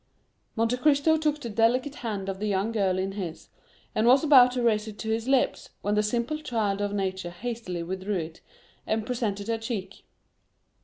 Monte Cristo took the delicate hand of the young girl in his, and was about to raise it to his lips, when the simple child of nature hastily withdrew it, and presented her cheek.